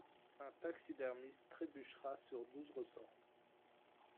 Un taxidermiste trébuchera sur douze ressorts.